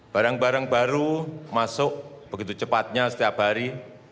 barang barang baru masuk begitu cepatnya setiap hari